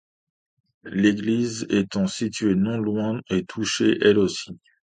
L'église, étant située non loin, est touchée elle aussi.